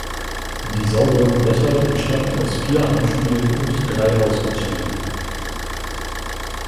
Die sauberen Blätter bestanden aus vier Heimspielen und drei Auswärtsspielen.